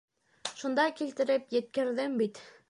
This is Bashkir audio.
Шунда килтереп еткерҙем бит.